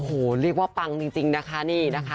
โอ้โหเรียกว่าปังจริงนะคะนี่นะคะ